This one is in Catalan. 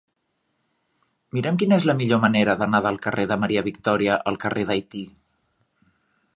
Mira'm quina és la millor manera d'anar del carrer de Maria Victòria al carrer d'Haití.